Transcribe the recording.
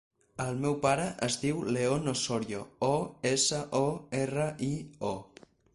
El meu pare es diu León Osorio: o, essa, o, erra, i, o.